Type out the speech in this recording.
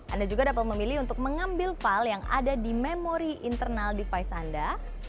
anda juga dapat memilih untuk mengambil file yang ada di memori internal device anda